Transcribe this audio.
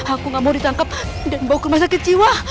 aku gak mau ditangkep dan bau kemas sakit jiwa